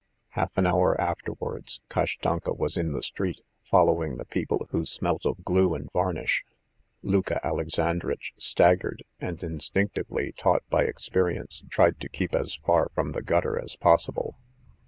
... Half an hour afterwards, Kashtanka was in the street, following the people who smelt of glue and varnish. Luka Alexandritch staggered and instinctively, taught by experience, tried to keep as far from the gutter as possible.